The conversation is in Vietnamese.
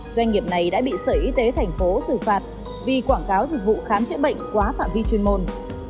doanh nghiệp này đã bị sở y tế thành phố xử phạt vì quảng cáo dịch vụ khám chữa bệnh quá phạm vi chuyên môn